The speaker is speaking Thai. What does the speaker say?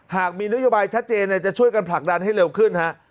หากมีนโยบายชัดเจนจะช่วยกันผลักดันให้เร็วขึ้นฮะ